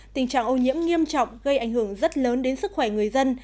tình trạng ô nhiễm nghiêm trọng gây ảnh hưởng rất lớn đến sức khỏe người dân